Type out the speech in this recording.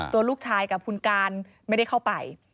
ตัวลูกชายกับคุณการไม่ได้เข้าไป